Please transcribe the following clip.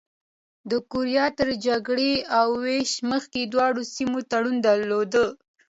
د کوریا تر جګړې او وېش مخکې دواړو سیمو تړاو درلود.